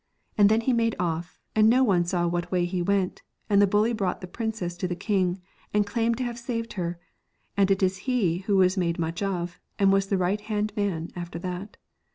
And then he made off, and no one saw what way he went, and the bully brought the princess to the king, and claimed to have saved her, and it is he who was made much of, and was the right hand man after that.